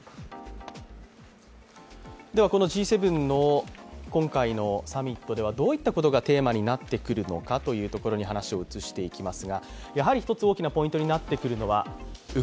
このＧ７の今回のサミットではどういったことがテーマになってくるのかというところに話が移ってきます。